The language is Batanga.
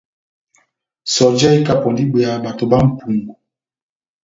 Sɔjɛ ikapɔndi ibweya bato bá mʼpungu.